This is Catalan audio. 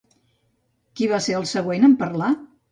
Qui va ser el següent en parlar?